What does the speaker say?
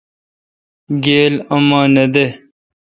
گیل ام نہ دہ۔